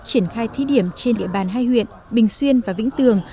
triển khai thí điểm trên địa bàn hai huyện bình xuyên và vĩnh tường